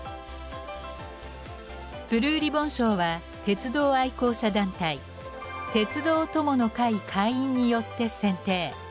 ブルーリボン賞は鉄道愛好者団体「鉄道友の会」会員によって選定。